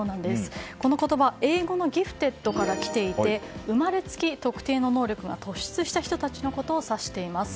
この言葉英語のｇｉｆｔｅｄから来ていて生まれつき特定の能力が突出した人たちを指しています。